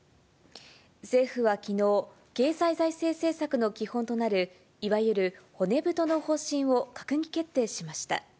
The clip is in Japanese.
政府はきのう、経済財政政策の基本となる、いわゆる骨太の方針を閣議決定しました。